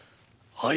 はい！